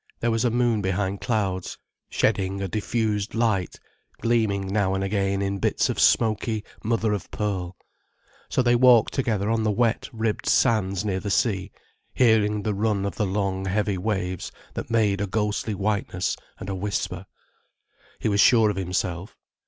There was a moon behind clouds, shedding a diffused light, gleaming now and again in bits of smoky mother of pearl. So they walked together on the wet, ribbed sands near the sea, hearing the run of the long, heavy waves, that made a ghostly whiteness and a whisper. He was sure of himself.